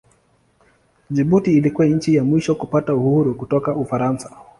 Jibuti ilikuwa nchi ya mwisho kupata uhuru kutoka Ufaransa.